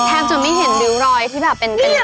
จนไม่เห็นริ้วรอยที่แบบเป็น